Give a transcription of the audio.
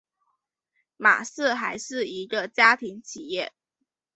玛氏还是一个家庭企业。